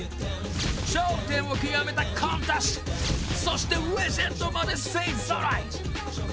頂点を極めたコント師そしてレジェンドまで勢ぞろい。